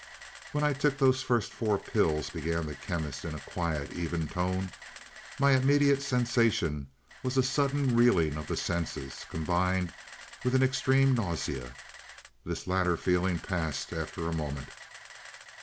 "When I took those first four pills," began the Chemist in a quiet, even tone, "my immediate sensation was a sudden reeling of the senses, combined with an extreme nausea. This latter feeling passed after a moment.